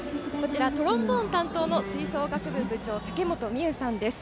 トロンボーン担当の吹奏楽部長たけもとみうさんです。